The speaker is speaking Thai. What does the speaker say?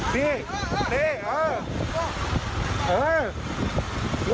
บีดอบนี้ออ